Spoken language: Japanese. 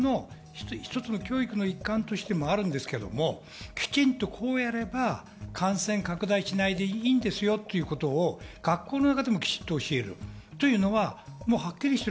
学校の教育の一環としてもありますけど、きちんとこうやれば感染拡大しないでいいんですよということを学校でもきちんと教える。